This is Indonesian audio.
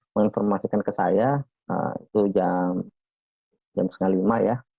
menginformasikan ke saya itu jam lima tiga puluh ya